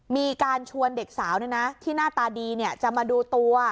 มีการชวนเด็กสาวที่หน้าตาดีจะมาดูตัว